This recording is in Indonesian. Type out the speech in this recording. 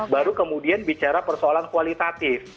baru kemudian bicara persoalan kualitatif